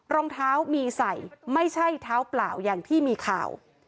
รองเท้ามีใส่ไม่ใช่เท้าเปล่าอย่างที่มีข่าว